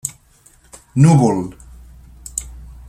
Núvol: